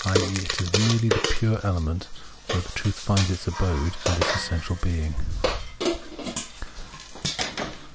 e. it is merely the pure element where the truth finds its abode and its essential being.